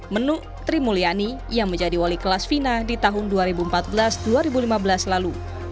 menu tri mulyani yang menjadi wali kelas fina di tahun dua ribu empat belas dua ribu lima belas lalu